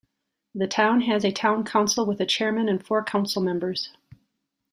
The town has a town council with a chairman and four councilmembers.